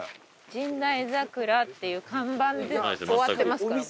「神代桜」っていう看板で終わってますから。